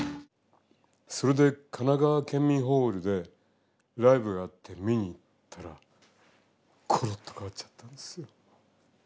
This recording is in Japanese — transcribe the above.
それで神奈川県民ホールでライブがあって見に行ったらコロッと変わっちゃったんですよ。